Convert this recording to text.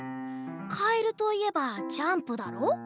かえるといえばジャンプだろ？